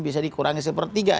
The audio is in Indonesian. bisa dikurangi sepertiga